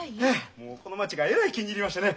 もうこの町がえらい気に入りましてね